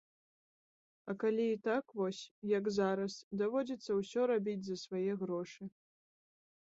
А калі і так вось, як зараз, даводзіцца ўсё рабіць за свае грошы.